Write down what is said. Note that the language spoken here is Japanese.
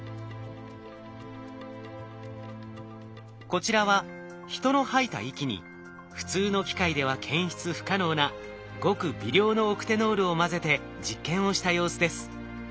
こちらは人の吐いた息に普通の機械では検出不可能なごく微量のオクテノールを混ぜて実験をした様子です。